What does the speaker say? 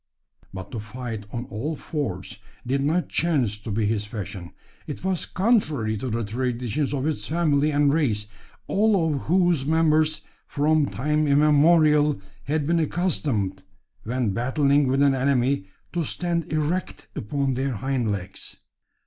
But to fight on "all fours" did not chance to be his fashion. It was contrary to the traditions of his family and race all of whose members, from time immemorial, had been accustomed, when battling with an enemy, to stand erect upon their hind legs.